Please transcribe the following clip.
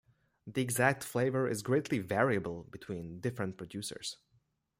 The exact flavor is greatly variable between different producers.